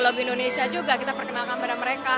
lagu indonesia juga kita perkenalkan pada mereka